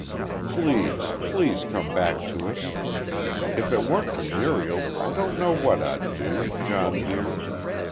Please, please come back to us. If it weren't for Muriel I don't know what I'd do, John, dear.